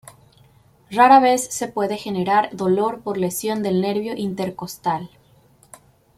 Rara vez se puede generar dolor por lesión del nervio intercostal.